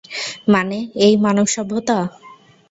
মানে, এই মানব সভ্যতা?